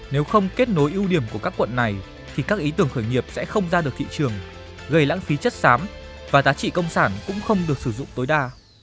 nếu không kết nối ưu điểm của các quận này thì các ý tưởng khởi nghiệp sẽ không ra được thị trường gây lãng phí chất xám và giá trị công sản cũng không được sử dụng tối đa